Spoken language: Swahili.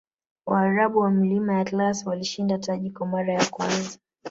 waarabu wa milima ya atlas walishinda taji kwa mara ya kwanza